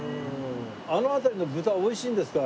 あの辺りの豚は美味しいんですか？